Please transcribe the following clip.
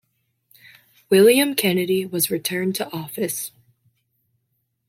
William Kennedy was returned to office.